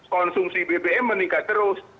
konsumsi bbm meningkat terus